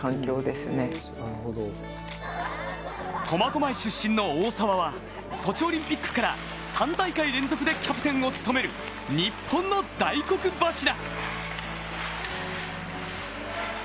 苫小牧出身の大澤は、ソチオリンピックから３大会連続でキャプテンを務める日本の大黒柱。